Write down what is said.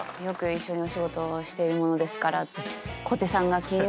よく一緒にお仕事をしているものですから。